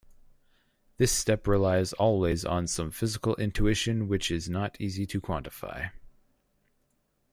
This step relies always on some physical intuition which is not easy to quantify.